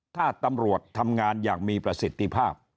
ถ้าตำรวจทำงานอย่างมีประสิทธิภาพ